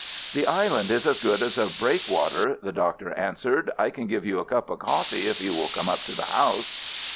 "The island is as good as a breakwater," the Doctor answered. "I can give you a cup of coffee if you will come up to the house."